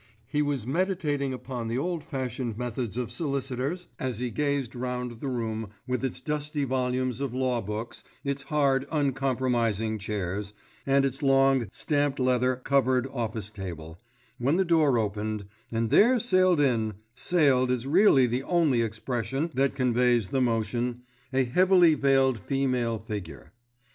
He was meditating upon the old fashioned methods of solicitors as he gazed round the room with its dusty volumes of law books, its hard, uncompromising chairs, and its long, stamped leather covered office table, when the door opened, and there sailed in—sailed is really the only expression that conveys the motion—a heavily veiled female figure.